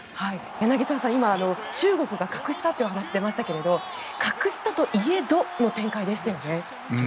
柳澤さん、今、中国が格下というお話が出ましたけど格下といえどという展開でしたよね。